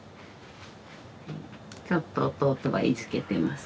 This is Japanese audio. ちょっと弟がいじけてます。